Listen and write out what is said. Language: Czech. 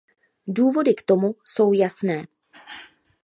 Důvody k tomu jsou jasné.